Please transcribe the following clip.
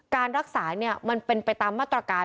การรักษามันเป็นไปตามมาตรการ